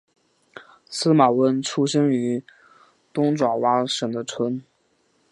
司马温出生于东爪哇省的村。